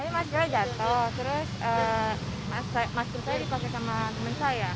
masker jatuh terus masker saya jatuh